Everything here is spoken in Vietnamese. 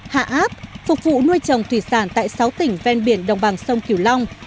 hạ áp phục vụ nuôi trồng thủy sản tại sáu tỉnh ven biển đồng bằng sông kiều long